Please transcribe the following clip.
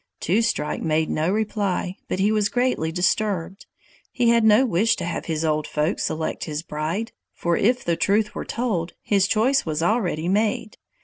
Two Strike made no reply, but he was greatly disturbed. He had no wish to have the old folks select his bride, for if the truth were told, his choice was already made.